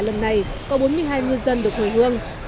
lần này có bốn mươi hai ngư dân được hồi hương